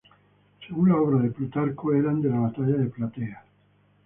Según la obra de Plutarco, eran de la batalla de Platea.